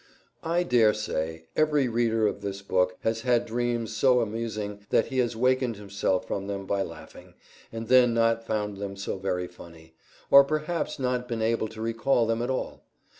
I daresay every reader of this book has had dreams so amusing that he has wakened himself from them by laughing, and then not found them so very funny, or perhaps not been able to recall them at all.